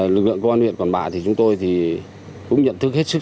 lực lượng công an huyện quảng bà thì chúng tôi cũng nhận thức hết sức